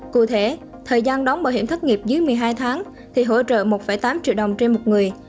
cụ thể thời gian đóng bảo hiểm thất nghiệp dưới một mươi hai tháng thì hỗ trợ một tám triệu đồng trên một người